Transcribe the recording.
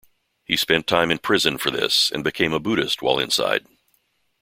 He spent time in prison for this and became a Buddhist while inside.